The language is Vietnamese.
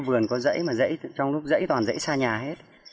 các vườn có rẫy mà rẫy trong lúc rẫy toàn rẫy xa nhà hết